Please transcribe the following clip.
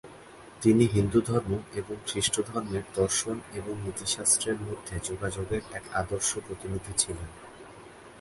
তিনি হিন্দুধর্ম এবং খ্রিস্ট ধর্মের দর্শন এবং নীতিশাস্ত্রের মধ্যে যোগাযোগের এক আদর্শ প্রতিনিধি ছিলেন।